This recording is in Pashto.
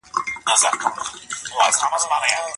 د ښوونځیو د ودانیو نقشه د انجینرۍ پر بنسټ نه وه.